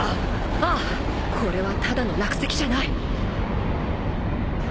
ああこれはただの落石じゃない。